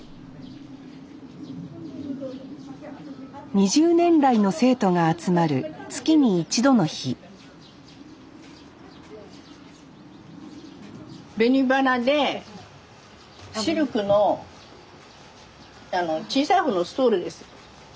２０年来の生徒が集まる月に一度の日紅花でシルクの小さい方のストールです。